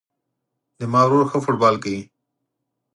زما ورور ښه فوټبال کوی